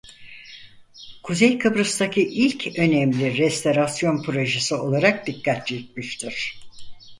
Kuzey Kıbrıs'taki ilk önemli restorasyon projesi olarak dikkat çekmiştir.